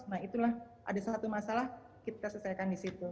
nah itulah ada salah satu masalah kita selesaikan di situ